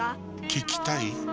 聞きたい？